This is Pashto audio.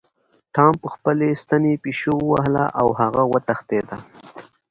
ټام په خپلې ستنې پیشو ووهله او هغه وتښتیده.